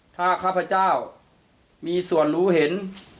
ถ้าข้าพเจ้ามีส่วนรู้เห็น